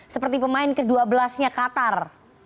seperti pemain ke dua belas nya qatar